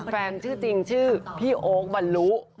แฟนชื่อจริงชื่อพี่โอ๊คบรรลุ